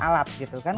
alat gitu kan